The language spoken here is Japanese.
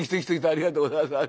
ありがとうございます。